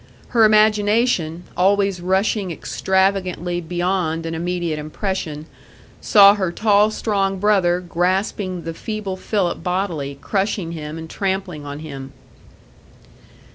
Her imagination, always rushing extravagantly beyond an immediate impression, saw her tall, strong brother grasping the feeble Philip bodily, crushing him and trampling on him.